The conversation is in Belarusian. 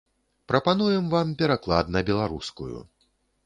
Прапануем вам пераклад на беларускую.